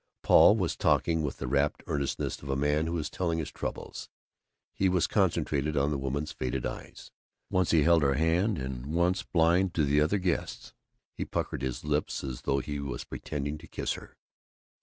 Paul was talking with the rapt eagerness of a man who is telling his troubles. He was concentrated on the woman's faded eyes. Once he held her hand and once, blind to the other guests, he puckered his lips as though he was pretending to kiss her.